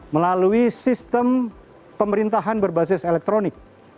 melalui sistem pemerintahan berbasis elektronik